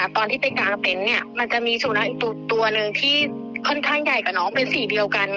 ตอนที่ไปกางเต็นต์เนี่ยมันจะมีสุนัขอีกตัวหนึ่งที่ค่อนข้างใหญ่กับน้องเป็นสีเดียวกัน